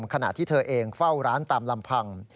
ขณะที่เธอเองเฝ้าร้านตามลำพัง